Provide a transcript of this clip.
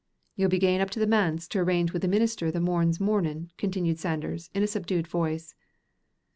"Ye'll be gaein up to the manse to arrange wi' the minister the morn's mornin'," continued Sanders, in a subdued voice.